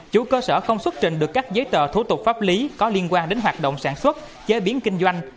chủ cơ sở không xuất trình được các giấy tờ thủ tục pháp lý có liên quan đến hoạt động sản xuất chế biến kinh doanh